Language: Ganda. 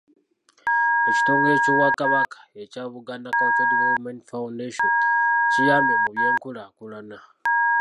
Ekitongole ky’Obwakabaka ekya Buganda Cultural Development Foundation kiyambye mu by'enkulaakulana.